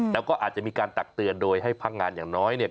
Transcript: แล้วก็อาจจะมีการตักเตือนโดยให้พักงานอย่างน้อยเนี่ย